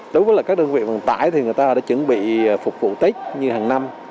đúng với các đơn vị bằng tải thì người ta đã chuẩn bị phục vụ tết như hằng năm